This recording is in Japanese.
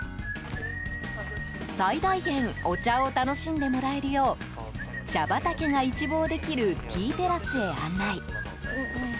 最大限お茶を楽しんでもらえるよう茶畑が一望できるティーテラスへ案内。